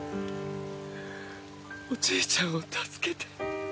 おじいちゃんを助けて。